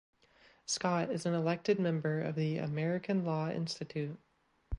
Scott is an elected member of the American Law Institute.